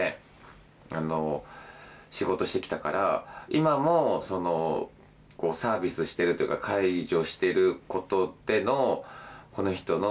今もサービスしてるっていうか介助してることでのこの人の。